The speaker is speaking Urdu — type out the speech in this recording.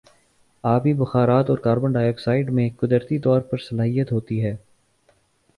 آبی بخارات اور کاربن ڈائی آکسائیڈ میں قدرتی طور پر صلاحیت ہوتی ہے